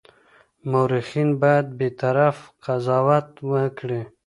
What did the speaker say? مورخین باید بېطرفه قضاوت وکړي.